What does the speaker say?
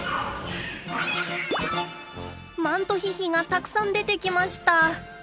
マントヒヒがたくさん出てきました。